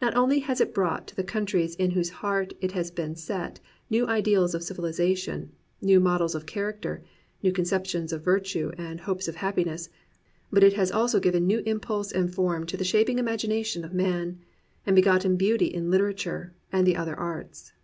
Not only has it brought to the countries in whose heart it has been set new ideals of civilization, new models of character, new conceptions of virtue and hopes of happiness; but it has also given new impulse and form to the shaping imagination of man, and begot ten beauty in literature and the other arts.